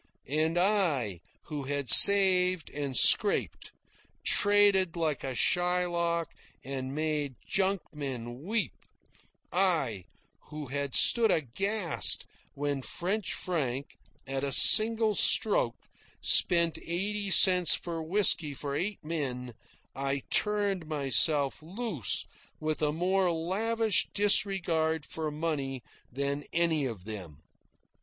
And I, who had saved and scraped, traded like a Shylock and made junkmen weep; I, who had stood aghast when French Frank, at a single stroke, spent eighty cents for whisky for eight men, I turned myself loose with a more lavish disregard for money than any of them.